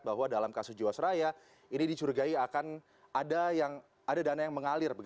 bahwa dalam kasus jiwasraya ini dicurigai akan ada dana yang mengalir